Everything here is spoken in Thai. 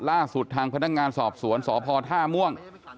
ล่าสุดทางพนักงานสอบสวนสพท่าม่วง